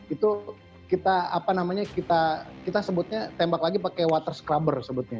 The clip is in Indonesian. itu kita sebutnya tembak lagi pakai water scrubber sebutnya